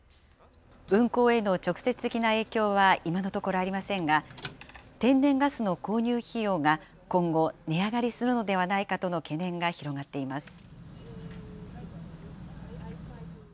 運行への直接的な影響は今のところありませんが、天然ガスの購入費用が今後、値上がりするのではないかとの懸念が広がっています。